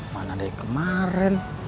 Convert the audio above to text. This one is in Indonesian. mana dari kemaren